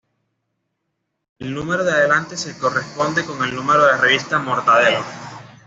El número de delante se corresponde con el número de la revista "Mortadelo".